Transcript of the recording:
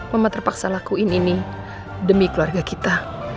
mama terpaksa lakuin ini demi keluarga kita